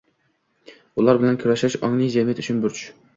Ular bilan kurashish – ongli jamiyat uchun burch.